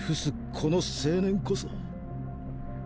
この青年こそ